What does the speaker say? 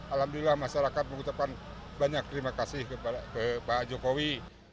alhamdulillah masyarakat mengucapkan banyak terima kasih kepada pak jokowi